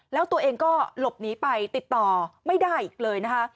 แล้วตัวเองก็หลบหนีไปติดต่อไม่ได้อีกเลยนะคะ